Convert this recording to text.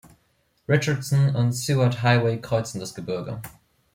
Richardson und Seward Highway kreuzen das Gebirge.